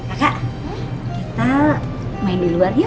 kakak kita main di luar yuk